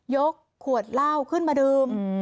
ยกขวดเหล้าขึ้นมาดื่ม